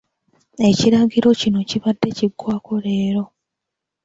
Ekiragiro kino kibadde kiggwaako leero.